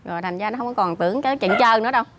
rồi thành ra nó không còn tưởng cái chuyện chơi nữa đâu